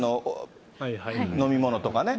飲み物とかね。